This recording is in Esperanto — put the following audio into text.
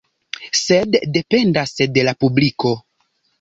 Sed dependas de la publiko.